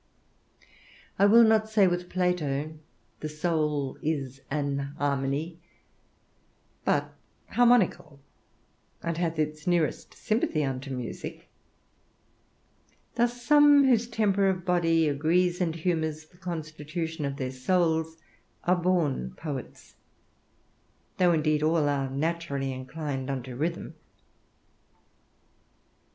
I will not say, with Plato, the soul is an harmony, but harmonical, and hath its nearest sympathy unto music; thus some, whose temper of body agrees and humors the constitution of their souls, are born poets, though indeed all are naturally inclined unto rhythm.